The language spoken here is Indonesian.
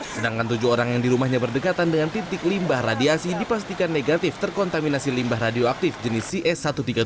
sedangkan tujuh orang yang di rumahnya berdekatan dengan titik limbah radiasi dipastikan negatif terkontaminasi limbah radioaktif jenis cs satu ratus tiga puluh